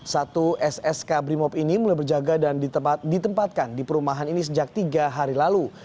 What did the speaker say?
satu ssk brimop ini mulai berjaga dan ditempatkan di perumahan ini sejak tiga hari lalu